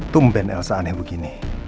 tung ben elsa aneh begini